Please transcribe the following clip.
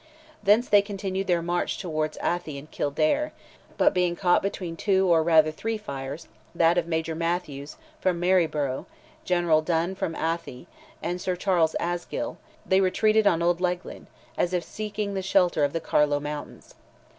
Thence they continued their march towards Athy in Kildare, but being caught between two or rather three fires, that of Major Mathews, from Maryboro', General Dunne, from Athy, and Sir Charles Asgill, they retreated on old Leighlin, as if seeking the shelter of the Carlow mountains.